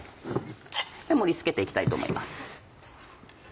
盛り付けて行きたいと思います。